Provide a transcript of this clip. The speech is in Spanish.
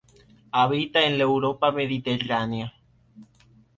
Habita en la Europa mediterránea.